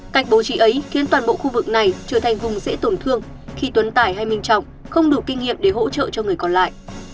cách bố trí ấy khiến toàn bộ khu vực này trở thành vùng dễ tổn thương khi tuấn tải hay minh trọng không đủ kinh nghiệm để hỗ trợ cho người còn lại